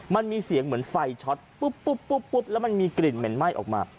มันมีเสียงเหมือนไฟช็อตปุ๊บแล้วมันมีกลิ่นเหม็นไหม้ออกมา